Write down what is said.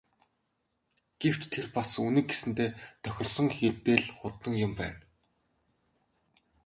Гэвч тэр бас Үнэг гэсэндээ тохирсон хэрдээ л хурдан юм байна.